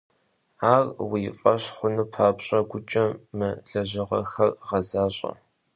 Ar vui f'eş xhun papş'e, guç'e mı lejıpxhexer ğezaş'e.